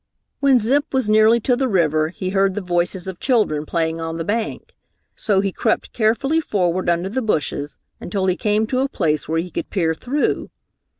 When Zip was nearly to the river he heard the voices of children playing on the bank. So he crept carefully forward under the bushes until he came to a place where he could peer through.